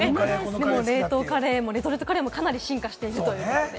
冷凍カレーもレトルトカレーも進化しているということで、